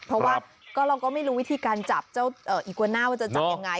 เพราะว่าเราก็ไม่รู้วิธีการจับเจ้าอีกวาน่าว่าจะจับยังไง